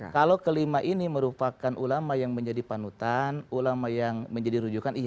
kalau kelima ini merupakan ulama yang menjadi panutan ulama yang menjadi rujukan